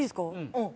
うん。